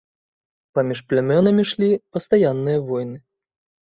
Паміж плямёнамі ішлі пастаянныя войны.